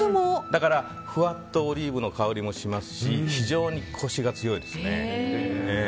だからふわっとオリーブの香りもしますし非常にコシが強いです。